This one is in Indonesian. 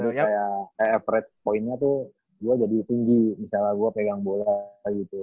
jadi kayak average poinnya tuh gue jadi tinggi misalnya gue pegang bola gitu